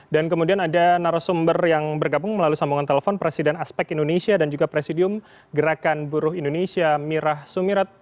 dan kemudian ada narasumber yang bergabung melalui sambungan telepon presiden aspek indonesia dan juga presidium gerakan buruh indonesia mirah sumirat